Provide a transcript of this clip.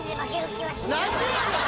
何でやねん？